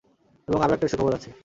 এবং আরও একটা সুখবর আছে।